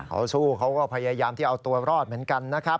เขาสู้เขาก็พยายามที่เอาตัวรอดเหมือนกันนะครับ